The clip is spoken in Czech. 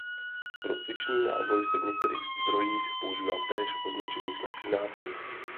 Pro cvičný náboj se v některých zdrojích používá též označení slepý náboj.